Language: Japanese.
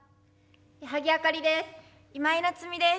矢作あかりです。